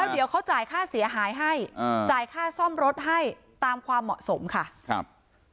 เดี๋ยวเขาจ่ายค่าเสียหายให้อ่าจ่ายค่าซ่อมรถให้ตามความเหมาะสมค่ะครับ